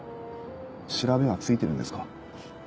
調べはついてるんですか？